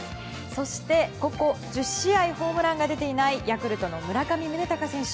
そして、ここ１０試合ホームランが出ていないヤクルトの村上宗隆選手。